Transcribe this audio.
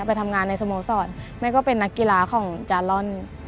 ไปทำงานในสโมสรแม่ก็เป็นนักกีฬาของจาลอน